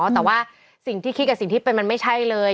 แต่ว่าสิ่งที่นี่พูดสิ่งที่ไม่ใช่เลย